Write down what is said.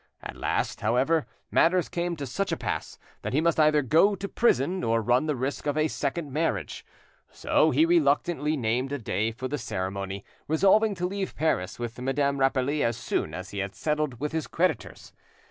At last, however, matters came to such a pass that he must either go to prison or run the risk of a second marriage. So he reluctantly named a day for the ceremony, resolving to leave Paris with Madame Rapally as soon as he had settled with his creditors.